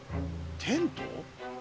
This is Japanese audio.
テント？